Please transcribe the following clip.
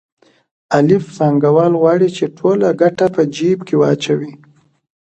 الف پانګوال غواړي چې ټوله ګټه په جېب کې واچوي